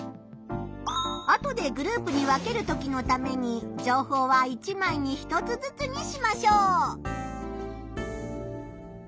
後でグループに分けるときのために情報は１枚に１つずつにしましょう。